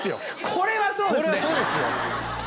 これはそうですよ。